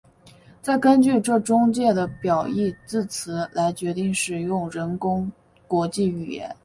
再根据这中介的表义字词来决定使用人工国际语言。